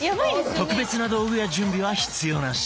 特別な道具や準備は必要なし！